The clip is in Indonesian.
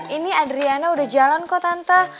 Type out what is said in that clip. ini adriana udah jalan kok tante